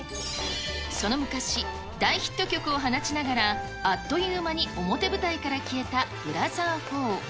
その昔、大ヒット曲を放ちながらあっという間に表舞台から消えたブラザー４。